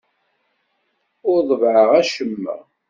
Ur ḍebbɛeɣ acemma.